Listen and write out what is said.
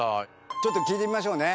ちょっと聞いてみましょうね。